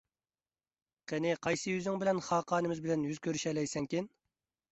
قېنى قايسى يۈزۈڭ بىلەن خاقانىمىز بىلەن يۈز كۆرۈشەلەيسەنكىن!